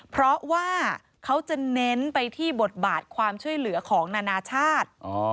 เพราะว่าเขาจะเน้นไปที่บทบาทความช่วยเหลือของนานาชาติ